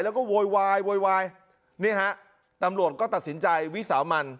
แล้วก็โวยวายโวยวายนี่ฮะตำรวจก็ตัดสินใจวิสามัน